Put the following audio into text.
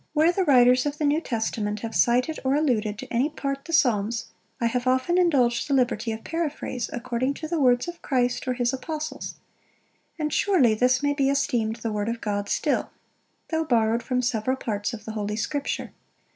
Where the writers of the New Testament have cited or alluded to any part the Psalms, I have often indulged the liberty of paraphrase, according to the words of Christ, or his Apostles. And surely this may be esteemed the word of God still, though borrowed from several parts of the Holy Scripture.